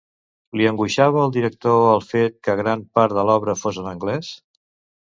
Li angoixava al director el fet que gran part de l'obra fos en anglès?